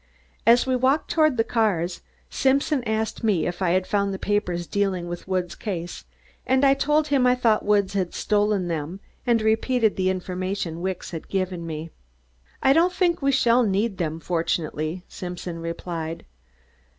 As we walked toward the cars, Simpson asked me if I had found the papers dealing with Woods' case, and I told him I thought Woods had stolen them and repeated the information Wicks had given me. "I don't think we shall need them, fortunately," Simpson replied.